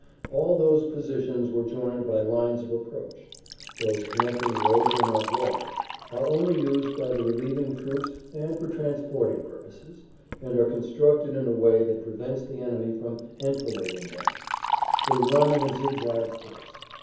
All those positions were joined by lines of approach. Those connecting roads are not wide, are only used by the relieving troops and for transporting purposes, and are constructed in a way that prevents the enemy from enfilading them; they run in a zigzag course.